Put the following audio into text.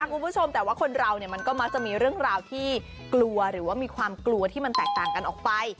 คุณผู้ชมแต่ว่าคนเราเนี่ยมันก็มักจะมีเรื่องราวที่กลัวหรือว่ามีความกลัวที่มันแตกต่างกันออกไป